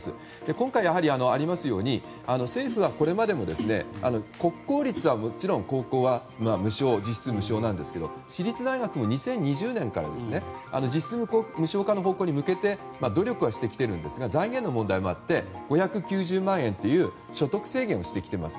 今回、今もありますように政府がこれまでも国公立はもちろん高校は実質無償なんですけど私立大学も２０２０年から実質無償化の方向に向けて努力していますが財源の問題もあって５９０万円という所得制限をしてきています。